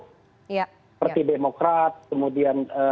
seperti demokrat kemudian